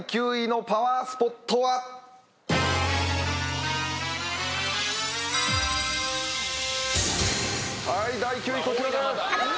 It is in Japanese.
はい第９位こちらです。